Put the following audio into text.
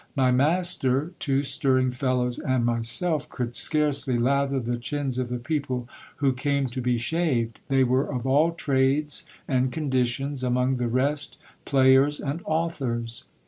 My master, two stirring fellows, and myself, could scarcely lather the chins of the people who came to be shaved. They were of all trades and conditions ; among the rest, players and authors.